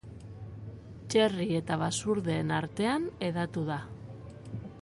Txerri eta basurdeen artean hedatu da.